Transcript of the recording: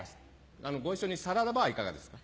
ご一緒にサラダバーいかがですか？